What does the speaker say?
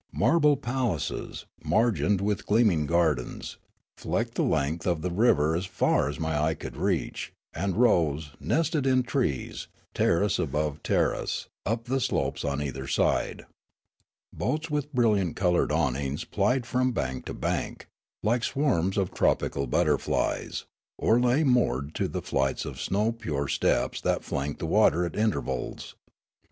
Marble palaces, margined with gleaming gardens, flecked the length of the river as far as my eye could reach, and rose, nested in trees, terrace above terrace, up the slopes on either side. Boats with bril liant coloured awnings plied from bank to bank, like swarms of tropical butterflies, or lay moored to flights of snow pure steps that flanked the water at intervals.